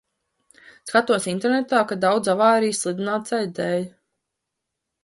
Skatos internetā, ka daudz avārijas slidenā ceļa dēļ.